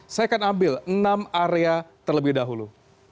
saya akan ambil enam area terlebih dahulu